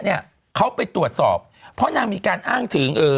เนี่ยเขาไปตรวจสอบเพราะนางมีการอ้างถึงเอ่อ